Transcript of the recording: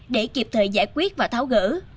để kịp thời giải quyết và tháo gỡ